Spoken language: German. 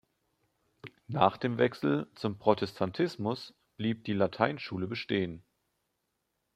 Nach dem Wechsel zum Protestantismus blieb die Lateinschule bestehen.